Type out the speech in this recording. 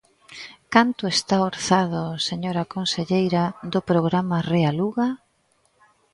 ¿Canto está orzado, señora conselleira, do programa ReHaluga?